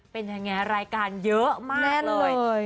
เป็นยังไงรายการเยอะมากเลยแน่นเลย